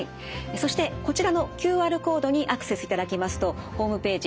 そしてこちらのＱＲコードにアクセスいただきますとホームページ